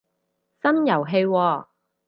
新遊戲喎